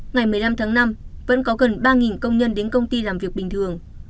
ngày một mươi năm tháng năm vẫn có gần ba công nhân đến công ty làm việc bình thường